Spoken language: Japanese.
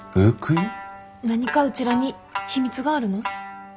何かうちらに秘密があるの？